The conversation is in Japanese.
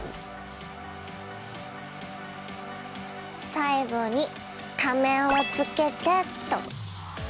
最後に仮面をつけてと。